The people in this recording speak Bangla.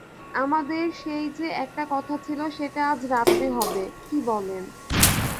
আমাদের সেই-যে একটা কথা ছিল সেটা আজ রাত্রে হবে, কী বলেন?